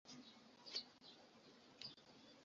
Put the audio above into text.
বৃহত্তর আটচালা মন্দিরে সাধারণত তিনটি প্রবেশদ্বার থাকে।